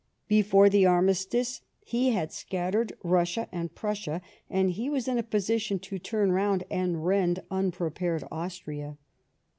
Before the armistice he had scattered llussia and Prussia, and he was in a posi tion to turn round and rend unprepared Austria.